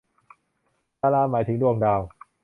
ดารา หมายถึงดวงดาว